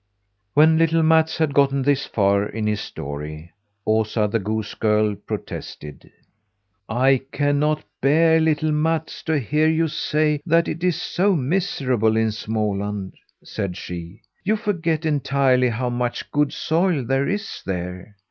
'" When little Mats had gotten this far in his story, Osa, the goose girl, protested: "I cannot bear, little Mats, to hear you say that it is so miserable in Småland," said she. "You forget entirely how much good soil there is there.